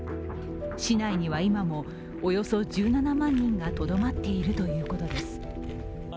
市内には今も、およそ１７万人がとどまっているということです。